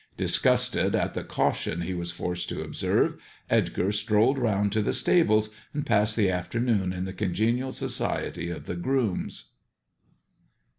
Disgusted at the caution he was forced to observe, Edgar strolled round to the stables and passed the afternoon in the congenial society of the grooms.